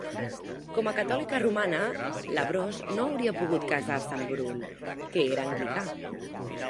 Com a catòlica romana, LaBrosse no hauria pogut casar-se amb Bull, que era anglicà.